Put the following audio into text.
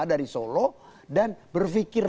dari solo dan berpikir